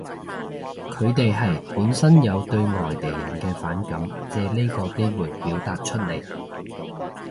佢哋係，本身有對外地人嘅反感，借呢個機會表達出嚟